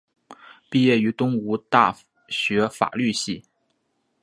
毕业于东吴大学法律系。